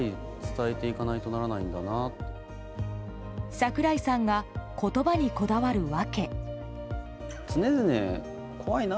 櫻井さんが言葉にこだわる訳。